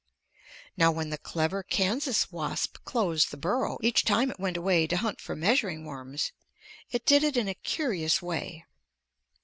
Now when the clever Kansas wasp closed the burrow each time it went away to hunt for measuring worms, it did it in a curious way.